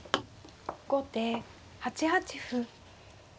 後手８八歩。